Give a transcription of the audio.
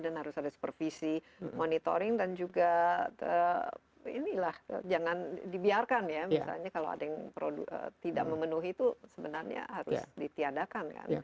dan harus ada supervisi monitoring dan juga inilah jangan dibiarkan ya misalnya kalau ada yang tidak memenuhi itu sebenarnya harus ditiadakan kan